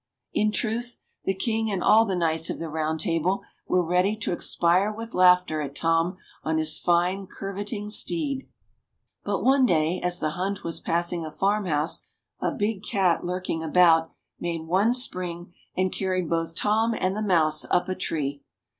In truth the King and all the Knights of the Round Table were ready to expire with laughter at Tom on his fine curvet ing steed. TRUE HISTORY OF SIR THOMAS THUMB 211 But one day, as the hunt was passing a farmhouse, a big cat, lurking about, made one spring and carried both Tom and the mouse up a tree.